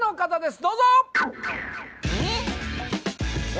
どうぞ誰？